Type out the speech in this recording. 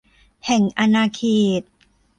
แห่งอาณาเขต